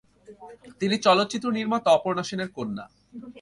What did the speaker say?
তিনি চলচ্চিত্র নির্মাতা অপর্ণা সেনের কন্যা।